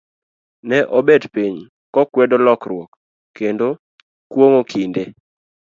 Ne obet piny, kokwedo lokruok, kendo kuong'o kinde.